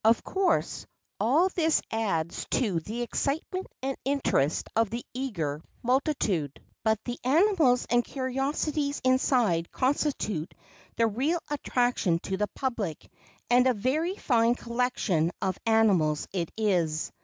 Of course, all this adds to the excitement and interest of the eager multitude. But the animals and curiosities inside constitute the real attraction to the public; and a very fine collection of animals it is.